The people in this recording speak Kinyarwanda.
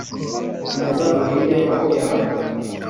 komeza urinde roho yawe